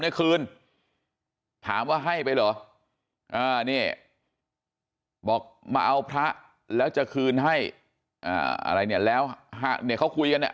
ให้คืนถามว่าให้ไปหรอบอกมาเอาพระแล้วจะคืนให้อะไรเนี่ยแล้วเนี่ยเขาคุยกัน